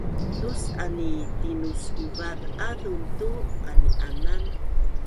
Lus’an i tinus’uvaz’azan tu qani’anan